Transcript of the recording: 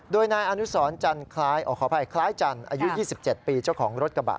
โดยนายอนุสรจันทร์คล้ายจันทร์อายุ๒๗ปีเจ้าของรถกระบะ